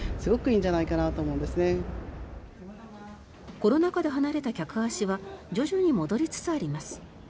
コロナ禍で離れた客足は徐々に戻りつつあります。